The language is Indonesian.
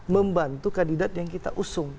membantu kandidat yang kita usung